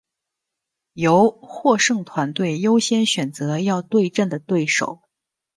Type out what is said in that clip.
由获胜团队优先选择要对阵的对手。